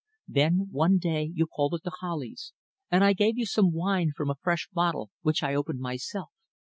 Then one day you called at The Hollies and I gave you some wine from a fresh bottle which I opened myself.